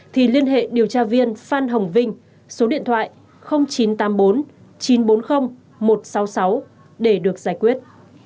thì liên hệ điều tra viên phan hồng vinh số điện thoại chín trăm tám mươi bốn chín trăm bốn mươi một trăm sáu mươi sáu để được giải quyết